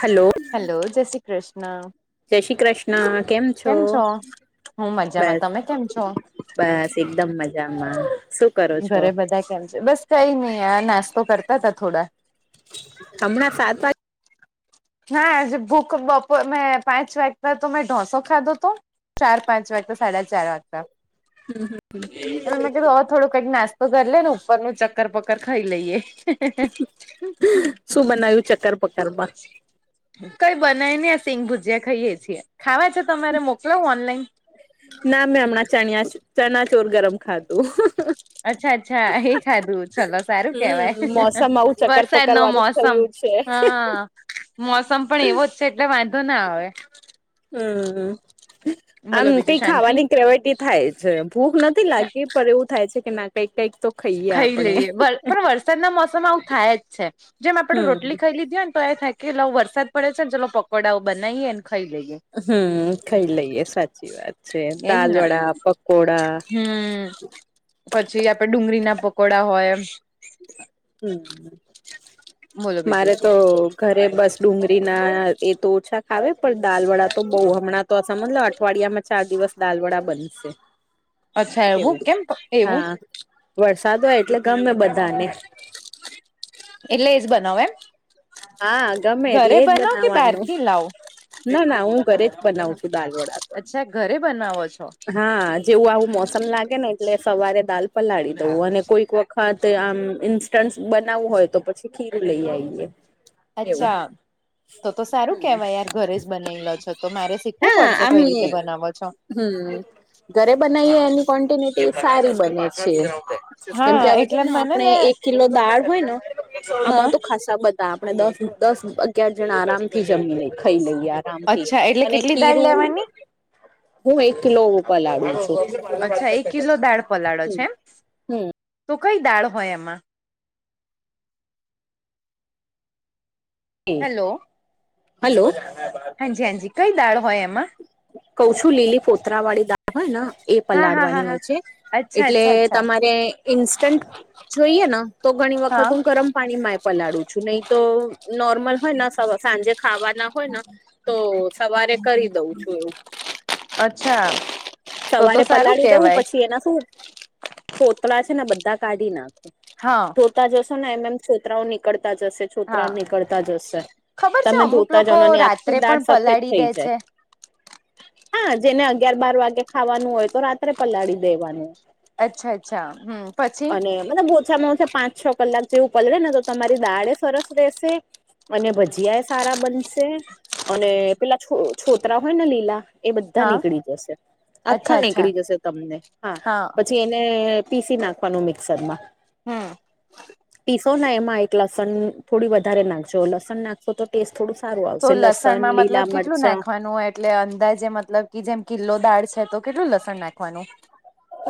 Hello hello જય શ્રી કૃષ્ણ જય શ્રી કૃષ્ણ કેમ છો કેો હું મજામાં બસ તમે કેમ છો. બસ એકદમ મજામાં. કરો છો ઘરે બધા કેમ છે બસ કઈ નહી આ નાસ્તો કરતા ત થોડા. હમણાં સાત નાાજ ભૂખ બપો મે પાંચ વાકતા તો મેં ઢોસો ખાધો તો. ચાર પાંચ વાગતા સાડા ચાર વાગતા એ મે કધું. થોડો કઈક નાસ્તો કરી લે ને ઉપરનું ચક્કર પક્કર ખાઈ લઈએ શું બનાવ્યું ચક્કર પકર માં. કઈ બનાયને આ સિંગ ભુજીિયા ખાઈએ છીએ ખાવા છે તમારે મોકલાવ ઓનલાઈન. ના મેં હમણાં ચણ ચણા ચોર ગરમ ખાધું. અચ્છા અચ્છા એ ખાધું ચલો સારું કેવાય હમ મોસમ આવું ચક્કર વરસાદ પક્કર નો વાળું મોસમ. થયું છે હા મોસમ પણ એવો જ છે એટલે વાંધો ના આવે. હમ આમ બોલો ક બીજું શાંતિ ખાવાની ગ્રેવટી થાય છે ભૂખ નથી લાગતી પણ એવું થાય છે કે ના કઈ કંઈ તો ખાઈ ખાઈ લઈએ પણ વરસાદના મોસમમાં આવું થાય જ છે જેમ આપડે હમ રોટલી ખાઈ લીધી હો ને તો એ થાય. કેટ લ વરસાદ પડે છે ને તોલો પકોડા બનાવીએ ને ખાઈ લઈએ હમ્મ ખાઈ લઈએ સાચી વાત છે દાલ વડા પકોડા હમ્મ પછી આપડ ડુંગળીના પકોડા હોય. હમ્મ બોલો બીજું મારે તો ઘરે બસ ડુંગળી ના એ તો ઓછા ખાવે પણ દાલ વડા તો બહુ હમણાં તો સમ મજલ અઠવાડિયામાં ચાર દિવસ દાલ વડા બનશે. [inaudible] એવું કેમ એવું હા વરસાદ હોય એટલે ગમે બધાને. એટલે એજ બનાવ એમ. હા ગમે એટલે ઘરે એજ બનાવ કે બહાર બનાવાનું થી લાવ ના ના હું ઘરે જ બનાવ છું દાલ વડા તો અચ્છા ઘરે બનાવો છો હા જેવું આવું મોસમ લાગે ને એટલે સવારે દાલ પલાળી દવું અને કોઈક વક ખાતે આમ ઇન્સ્ટન્ટ બનાવવું હોય તો પછી ખીરું લઈ આઈએ. અચ્છા તો તો સારું કેવાય યાર. ઘરે જ બનાલો છો તો મારે શીખવું હા પડશે આમ કઈ રીતે બનાવો છો. હમ ઘરે બનાવીએ એની કો્વન્ટિનિટી સારી બને છે. કેમ હા કે આવેધ એટલે મને આપણે ને એક કિલો દાળ હોય ને હા આમાં તો ખાસા બધા આપણે દસ દસ અગિયાર જણા આરામ થી જમી લઈ ખાઈ લઈએ આરામથી અચ્છા એટલે કેટલી દાળ ખીરું લેવાની હું એક લો ઉપર લાવું છું. અચ્છા એક કિલો દાળ પલાળો છે એમ હમ તો કઈ દાળ હોય એમ હલો હાંજી હાંજી કઈ દળ હોય એમાં? કઉ છું લીલી ફોતરા વાળી દાળ હોય ન એ હા હા હા પલાળવાની હા હોય છે. અચ્છા એટલે અચ્છા અચ્છા તમારે ઈન્સ્ટન્ટ જોઈએ ન તો ઘણી વખત હું હા ગરમ પાણીમ માં પલાળું છું નહી તો નોર્મલ હોય ન સવ.. સાંજે ખાવાના હોય ન તો સવારે કરી દઉં છું. અચ્છા. તો તો સવારે સારું પલાળી દવં કેવાય પછી એના શું ફોટડા છે ને બધા કાઢી ના હા તા જશો ને એમ એમ છોતરાઓ નીકળતા જશે છોતરા હા નીકળતા જશે ખબર છે તમે અમુક ધોતા લોકો જાવનાની આખી રાત્રે દાળ પણ સફેદ પલાળી થઈ દે જાય છે હા જેને અગિયાર બાર વાગે ખાવાનું હોય તો રાત્રે પલાળી દેવાનું અચ્છા અચ્છા હમ્મ પછી બોછામાં બોછા પાંચ છ કલાક જેવું પલળેને તો તમારી દાળે સરસ રહેશે અનેભજીયાએ સારા બનશે અને પેલા છો છોતરા હોય ને પે લા એ બધા હા નીકળી જશે અચ્છા આખા અચ્છા નીકળી જશે તમને હા પછી એને પીસી નાખવાનું મિક્સર માં. હમ્મ પીસો ને એમાં એક લસન થોડી વધારે નાખજો લસન નાખ સોતો ટેસ્ટ થોડું સારું તો આવશે લસણ, લસણમાં લીલા મતલબ કેટલું મરચા નાખવાનું એટલે અંદાજે મતલબ કે જેમ કિલ્લો દાળ છ તો કેટલું લસણ નાખવાનું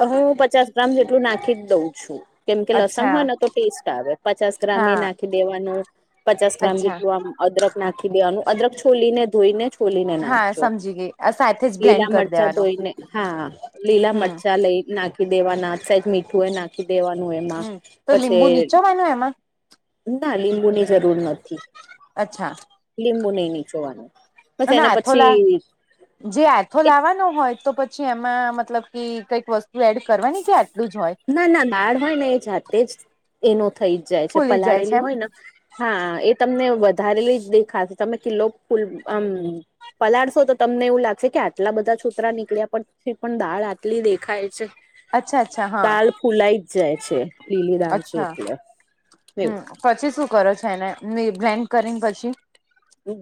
અ હું પચાસ ગ્રામ જેટલું નાખીજ દઉં છું. કેમ કે લસણ અચ્છા હોય ને તો ટેસ્ટ આવે પચાસ ગ્રામ એ હા નાખીદેવાનું પચાસ ગ્રામ અચ્છા જેટલું આમ અદરક નાખી દેવાનું અદરક છોલી ને ધોઈ ને છોલી ને નાખ હા સમજી ગઈ આ સાથેજ લીલા મરચા ધોઈને હા લીલા હમ મરચા લઈ નાખી દેવાના સેજ મીઠું એ નાખ નાખી દેવાનું એમાં હમ તો પછી લીંબુ નીચોવાનું એમાં ના લીંબુ ની જરૂર નથી અચ્છા લીંબુ નઈ નીચવાનું બસ અને એના આથોલા પછી. જે આથો એ લાવાનો હોય તો પછી એમાં મતલબ કે કઈક વસ્તુ એડ કરવાની છે આટલું જ હોય. ના ના બાળ હોય ને એ જાતે જ એનો થઈ જ જાય છે ફૂલી જાય છે પલાળેલું એમ હોય ન હા એ તમને વધારેલીજ દેખાશે તમે કિલ્લો ફૂલ આમ પલાળશો તો તમને એવું લાગશે કે આટલા બધા છોતરા નીકળ્યા પણ તો પણ દાળ આટલી દેખાય છે. અચ્છા અચ્છા હા દાળ ફૂલાઈ જ જાય છે લીલી દાળ છે અચ્છા એટલે હમ્મ. એવું પછી શું કરો છો એને ને બ્લેન્ડ કરીન પછી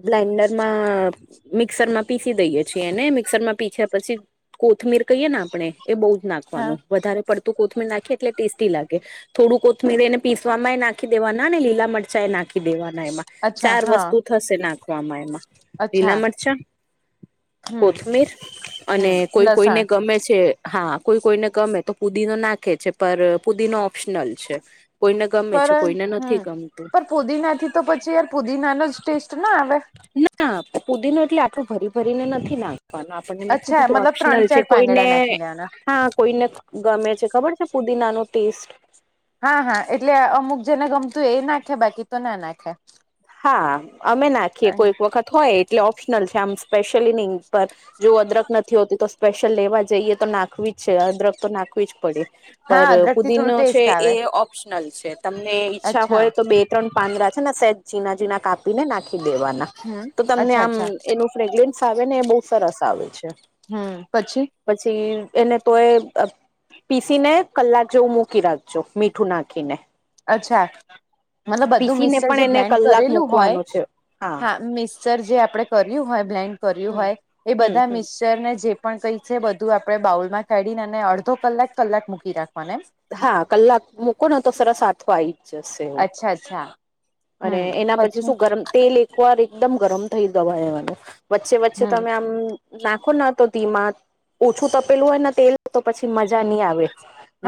ગ્લાઇન્ડર માં મિક્સર માં પીસી દઈએ છીએ એને મિક્સર માં પીછા પછી કોથમીર કહીયએ ને આપણે એ બઉ હા નાખવાનું વધારે પડતું કોથમીર નાંખીએ એટલે ટેસ્ટી લાગે. થોડું કોથમીર એને પિસવામાં એ નાખી દેવાના ને લીલા મરચા એ નાખી દેવાના એમાં અચ્છા ચાર હા વસ્તુ થશે નાખવામાં એમાં લીલા અચ્છા મરચા હમ કોથમીર અને હમ કોઈ કોઈને લસણ ગમે છે. હા કોઈ કોઈને ગમે તો પુદીનો નાખે છે પર પુદીનો ઓપ્શનલ છે. કોઈને ગમે છે કોઈને નથી ગમતું. પુદીના થી તો પછી યાર પુદીના નોજ ટેસ્ટ ના આવે. ના પૂદી નો એટલે આટલું ભરી ભરીને નથી નાખવાનું પણ મેં નતુ અચ્છા કીધું મતલબ ત્રણ ઓપ્શનલ છે ચાર કોઈને પાંદડા નાખી દેવાના હા કોઈને ગમે છે ખબર છે ફૂદીના નો ટેસ્ટ હા હા એટલે અમુક જેને ગમતું એ નાખે બાકી તો ના નાખે હા અમે નાખીએ કોઈક હા વખત હોય એટલે ઓપ્શનલ છે આમ સ્પેશ્યલ નિ નઈ પર જો અદરક નથી હોતી તો સ્પેશિયલ લેવા જઈએ તો નાખવી જ છે અદરક તો નાખ નાખવી જ પડે પર અદરક થી થોડું ફુદીનો છે ટેસ્ટ આવે એ ઓપ્શનલ છે તમને ઈચ્છા અચ્છા હોય તો બે ત્રણ પાંદડા છે ને સેજ જીણા જીણા કાપીને નાખી દેવાના હમ તો તમને અચ્છા આમ અચ્છા એનું ફ્રેગન્સ આવે ને એ બહુ સરસ આવે છે. હમ્મ પછી પછી એને તો એ અ પીસી ને કલાક જેવું મૂકી રાખજો મીઠું નાખીને અચ્છા મતલબ બધું પીસીને મિક્સર પણ જે એને બ્લેન્ડ કલાક કરેલું હોય મૂકવાનું છે હા. મિક્સર જે આપડણે કર્યું હોય બ્લેન્ડ કર્યું હમ હોય એ હમ બધા હમ મિક્સ ર ને જે પણ કઈ છે બધું આપણે બાઉલ માં કાઢીને અને અડધો કલાક કલાક મૂકી રાખવા એમ હા કલાક મુકો ને તો સરસ આથો આઈ અચ્છા અચ્છા અને એના પછી શું ગરમ તેલ એકવાર એકદમ ગરમ થઈ દવા એવાનું વચ્ચે વચ્ચે હમ તમે આમ નાખો ના તો ધીમા ઓછું તપેલું હોય તેલ તો પછી મજા નહી આવે.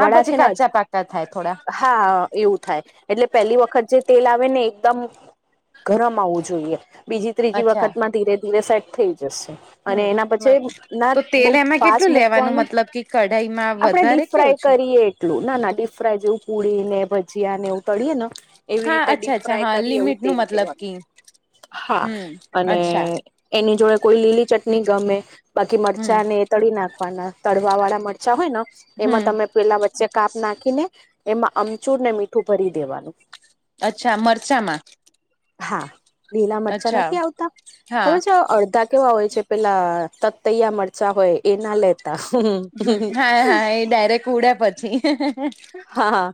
હા પછી છે ને કાચા પાકા થાય થોડા હા એવું થાય એટલે પેલી વખત જે તેલ આવે. ને એકદમ ગરમ આવવું જોઈએ બીજી ત્રીજી અચ્છા વખતમાં ધીરે ધીરે સેટ થઈ જ એ સી અને એના પછી હમ ના તો તેલ બહું એમાં ફાસ્ટ કેટલું લેવાનું મૂકવાનું મતલબ કે કઢાઈમાં આપણેે ડીપ વધારે કે ફ્રાય ઓછું કરીએ. એટલું ના ના ડીપ ફ્રાય જેવું પુડીને ભજીયા ને એવું તળીયે ને એવી હા રીતે ડી અચ્છા અચ્છા ફ્રાય હા કરી એવું લિમિટ નું તેલ મતલબ લેવાનું કે હા. હમ અને અચ્છા એની જોડે કોઈ લીલી ચટણી ગમે બાકી હમ મરચા ને તળી નાખવાના તળવા વાળા મરચા હોય ને એમાં હમ તમે પેલા વચ્ચે કાપ નાખીને એમાં અમચૂર ને મીઠું ભરી દેવાનું અચ્છા મરચામાં હા લીલા મરચાં અચ્છા નથી આવતા હા ખબર છે અડધા કેવા હોય છે, પેલા તતૈયા મરચાં હોય એના લેવું. ત [unintelligible] હમ, હા, હા. એ ડાયરેક્ટ ઉડે પછી. હા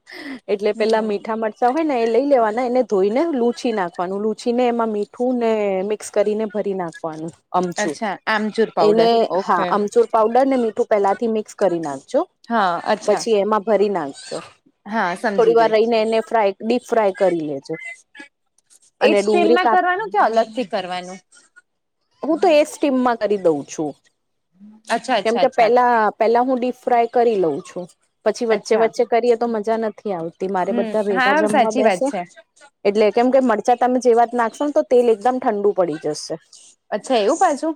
એટલે, પેલા હમ મીઠા મરચા હોય ને, એ લઈ લેવાનું. એને ધોઈને લુછી નાખવાનું. લુછી ને એમાં મીઠું ને મિક્સ કરીને ભરી નાખવાનું. અમચુર અચ્છા આમચૂર એને, પાવડર હા, ઓકે અમચુર પાવડર ને મીઠું પહેલાથી મિક્સ કરી નાખજો. હા અચ્છા પછી એમાં ભરી નાખજો. હા સમજી થોડી વાર ગઈ રહીને એને ફ્રાય. ડીપ ફ્રાય કરી લેજો. એક અને ડુંગળી સ્ટેનમાં કાપ કરવાનું કે, અલગથી કરવાનું. હું તો એ સ્ટીમમાં કરી દઉં છું, અચ્છા અચ્છા કેમકે અચ્છા પેલા પેલા હું ડીપ ફ્રાય કરી લઉં છું. પછી વચ્ચે અચ્છા વચ્ચે કરીએ, તો મજા નથી આવતી. મારે બધા હમ ભેગા હા જમવા બેસે. [unintelligible] એટલે, કેમ કે મરચાં તમે જે વાત નાખશો ને, તો તેલ એકદમ ઠંડુ. પડી જશે અચ્છા, એવું. પાછું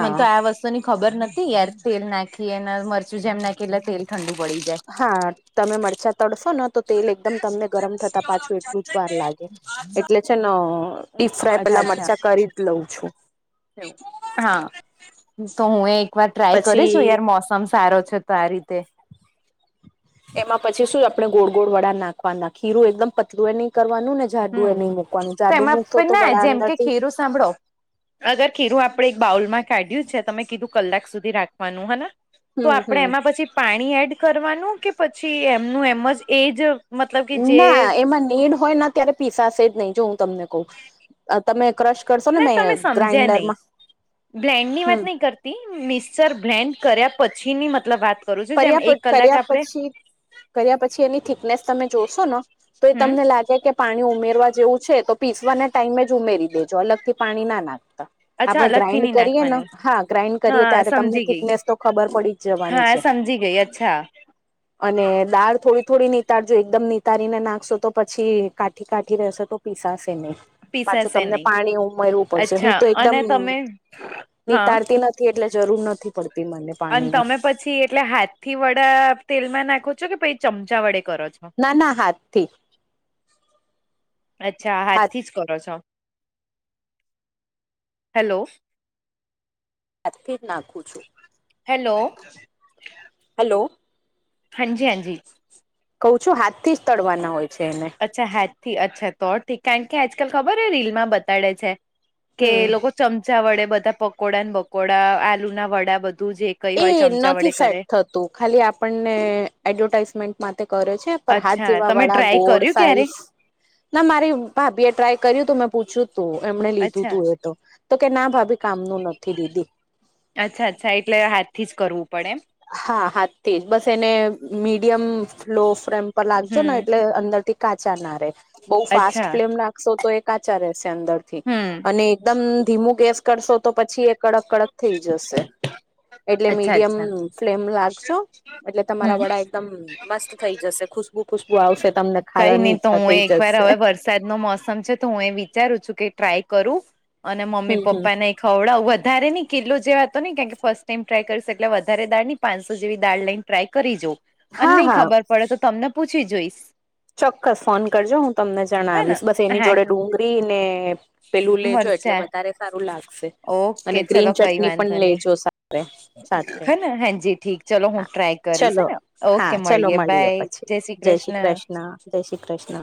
મને તો આ વસ્તુ. ની ખબર નથી, યાર. તેલ નાખીએ, અને મરચું જેમ નાખીએ, એટલે તેલ ઠંડુ પડી જાય. હા, તમે મરચાં તડશો ને તો તેલ એકદમ તમને ગરમ થતાં, પાછું એટલું જ વાર લાગે, એટલે છે ને. ડીપ ફ્રાય જાય અચ્છા પહેલા, અચ્છા મરચા કરી જ લેવો. હા, તો હું એ એક વાર ટ્રાય કરી છું, પછી યાર. મોસમ સારો છે તો. તો આ રીતે એમાં પછી શું, આપણે ગોળ ગોળ વડા નાખવાના. ખીરું એકદમ પતલું એ નહીં. કરવાનું ને, જાડુ હમ એ નહીં મુૂકવાનું. તો જાડુ એમાં મૂકશો, પણ તો ના વડા જેમ અંદર કે થી ખીરું સાંભળો. અગર ખીરું આપણે એક બાઉલમાં કાઢ્યું છે, તમે કીધું કલાક સુધી રાખવાનું હે. તો હમ આપણે હમ એમાં પછી પાણી એડ કરવાનું, કે પછી એમનું એમ જ એ જ? મતલબ કે જે ના, એમાં નેડ હોય ત્યારે પીસાશે જ નહીં. જો હું તમને કહું, તમે ક્રશ કરશો ને, મેં તમે સમજ્યા ગ્રાઇન્ડર નહી માં. બ્લેન્ડ ની વાત નહીં કરતી, મિક્સર બ્લેન્ડ કર્યા પછી ની મતલબ વાત. કરું છું જેમ પર્યા એક પછી, કલાક કર્યા આપડે પછી. કર્યા પછી એની થિકનેસ તમે જોશો ને, તો એ હમ તમને લાગે કે પાણી ઉમેરવા જેવું છે, તો પીસવાના ટાઈમે જ ઉમેરી દેજો. અલગથી પાણી ના નાખતા. અચ્છા આપડે અલગથી ગ્રાઇન્ડ નહી કરીએ ને, નાખવાનું હા, ગ્રાાઈન્ડ કરીએ હા ત્યારે તમને સમજી ગઈ થિકનેસ તો ખબર પડી. જ જવાની હા, છે સમજી ગઈ. અચ્છા. અને દાળ થોડી થોડી નીતાળજો. એકદમ નીતાારીને નાખશો, તો પછી કાઠી કાઠી રહેશે તો. પિસાશેને. પાછું પીસાશે તમને નહી પાણી ઉમેરવું પડશે. હું અચ્છા તો એકદમ અને તમે હા તરાતી નથી. એટલે જરૂર નથી પડતી મને અને પાણી ની. તમે પછી એટલે હાથ થી વડા તેલમાં નાખો છો, કે પછી ચમચા વડે કરો છો? ના, ના, હાથ થી. અચ્છા, હાથ થી જ કરો છો? હેલો. એક જ નાખું છું. હેલો. હેલો હાજી હાજી કહ છું હાથ થી જ તડવાના હોય છે એને અચ્છા હેથ થી અચ્છા તોડ થી કારણ કે આજકાલ ખબર હો રીલમાં બતાડે છે કે હમ લોકો ચમચા વડે બધા પકોડાને, બકોડા, આલુ ના વડા બધા અને તું જે કઈ હોય, ચમચા વડે કરે. તો ખાલી આપણને એડવર્ટાઈઝમેન્ટ માટે કરે છે. પર હાથ અચ્છા જેવા તમે વાળા ટ્રાય ગોળ કર્યું ક્યારે સાઈઝ. ના, મારી ભાભી એ ટ્રાય કર્યું તું. મેં પૂછ્યું તું એમને, લીધું અચ્છા તું એ તો. તો કે ના ભાભી કામનું નથી દીદી. અચ્છા, અચ્છા, એટલે હાથથી જ કરવું પડે. હા હાથી જ બસ એને મીડિયમ લો ફ્રેમ પર લાગજો ને હમ એટલે અંદરથી કાચા ના રે બઉ ફાસ્ટ અચ્છા ફ્લેમ નાખશો તો એ કાચા રહેશે અંદર હમ અને એકદમ ધીમું ગેસ કરશો તો પછી એ કડક કડક થઈ જશે. એટલે અચ્છા મીડિયમ અચ્છા ફ્લેમ લાગશો એટલે તમારા હમ વડા એકદમ મસ્ત થઈ જશે ખુશ ખુશ્બુ આવશે તમને કઈ ખાવાની નહી તો ઈચ્છા હું થઈ એક વાર જશે હવે વરસાદ નો મોસમ છે તો હું એ વિચારું છું કે ટ્રાય કરું અને મમ્મી હમ હમ પપ્પાને ખવડાવ વધારે ની કિલો જેવા તો નહી કેમ કે ફર્સ્ટ ટાઈમ ટ્રાય કરીશ એટલે વધારે દાળ ની પાંચસો જેવી દાળ લઈન ટ્રાય કરી જો અને હા નહી હા ખબર પડે તો તમને પૂછી જોઈશ. ચોક્કસ ફોન કરજો હું તમને. જણ હે ને આવીશ બસ એની હા જોડે ડુંગરી ને પેલું લેજો એટલે મરચા વધારે સારું લાગશે. અને ઓકે ચલો ગ્રીન ચટણી પણ લેજો સાથે. સાથે હેને હાજી ઠીક ચલો હું હા ટ્રાય કરીશ ચલો હેને હા ઓકે ચલો મળીયે મળીએ બાય. પછી જય શ્રી કૃષ્ણ. કૃષ્ણ જય શ્રી કૃષ્ણ.